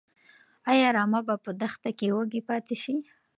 ايا رمه به په دښته کې وږي پاتې شي؟